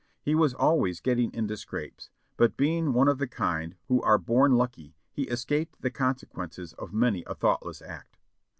He was always getting into scrapes, but being one of the kind who are born lucky, he escaped the consequences of many a thoughtless act.